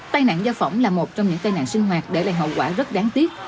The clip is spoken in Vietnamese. tai nạn do phỏng là một trong những tai nạn sinh hoạt để lại hậu quả rất đáng tiếc